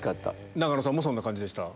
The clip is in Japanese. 永野さんもそんな感じでした？